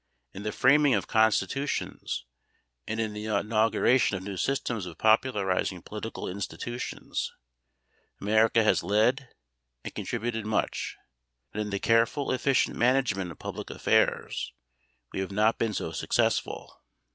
In the framing of constitutions and in the inauguration of new systems of popularizing political institutions America has led and contributed much, but in the careful, efficient management of public affairs we have not been so successful.